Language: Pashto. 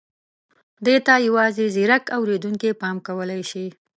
دې ته یوازې ځيرک اورېدونکي پام کولای شي.